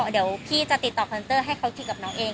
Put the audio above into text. เดี๋ยวพี่จะติดต่อคอนเซอร์ให้เขาคิดกับน้องเอง